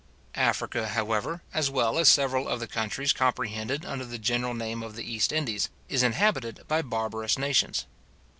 Africa, however, as well as several of the countries comprehended under the general name of the East Indies, is inhabited by barbarous nations.